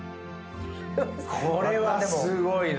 これはすごいな。